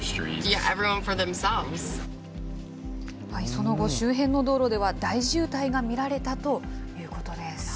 その後、周辺の道路では大渋滞が見られたということです。